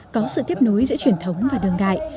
có sự tiếp nối giữa truyền thống và đường đại